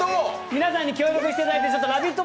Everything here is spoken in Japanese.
皆さんに協力していただいて、「ラヴィット！」